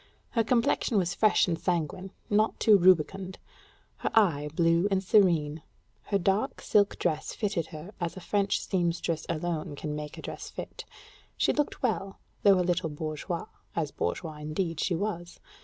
Her complexion was fresh and sanguine, not too rubicund; her eye, blue and serene; her dark silk dress fitted her as a French sempstress alone can make a dress fit; she looked well, though a little bourgeoise, as bourgeoise indeed she was.